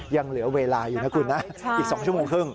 ยังเหลือเวลาอยู่นะคุณนะอีก๒ชั่วโมงครึ่ง